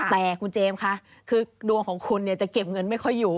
แต่คุณเจมส์ค่ะคือดวงของคุณจะเก็บเงินไม่ค่อยอยู่